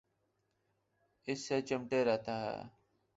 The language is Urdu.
اس سے چمٹے رہتا ہے۔